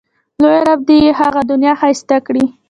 لوی رب دې یې هغه دنیا ښایسته کړي.